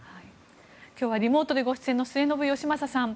今日はリモートでご出演の末延吉正さん。